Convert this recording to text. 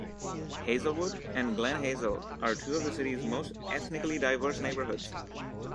Hazelwood and Glen Hazel are two of the city's most ethnically-diverse neighborhoods.